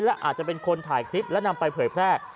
และอาจจะเป็นคนถ่ายคลิปและนำไปเผยแพร่